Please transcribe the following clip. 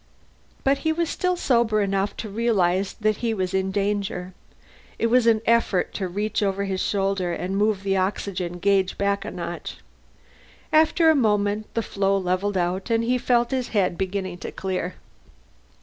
But he was still sober enough to realize he was in danger. It was an effort to reach over his shoulder and move the oxygen gauge back a notch. After a moment the flow levelled out and he felt his head beginning to clear.